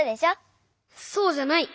そうじゃない！